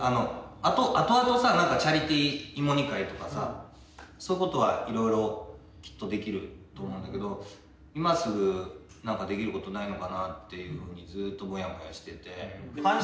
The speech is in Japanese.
後々さなんかチャリティー芋煮会とかさそういうことはいろいろきっとできると思うんだけど今すぐなんかできることないのかなっていうふうにずっとモヤモヤしてて。